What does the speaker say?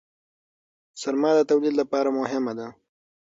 سرمایه د تولید لپاره مهمه ده.